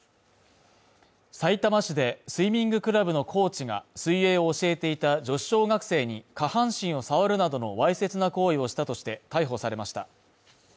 さいたま市でスイミングクラブのコーチが水泳を教えていた女子小学生に下半身を触るなどのわいせつな行為をしたとして逮捕されました。